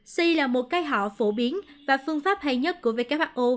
c là một cái họ phổ biến và phương pháp hay nhất của who